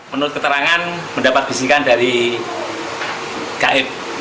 menurut keterangan mendapat bisikan dari gaib